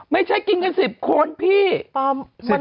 ไม่ใช่กินกัน๑๐คนพี่